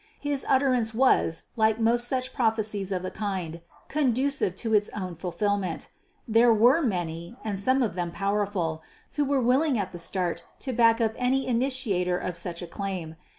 His utterance was, like most such prophecies of the kind, "conducive to its own fulfilment;" there were many and some of them powerful who were willing at the start to back up any initiator of such a claim.